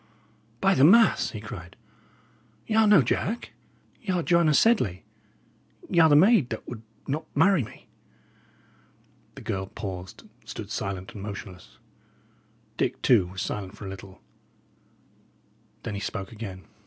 "By the mass!" he cried, "y' are no Jack; y' are Joanna Sedley; y' are the maid that would not marry me!" The girl paused, and stood silent and motionless. Dick, too, was silent for a little; then he spoke again.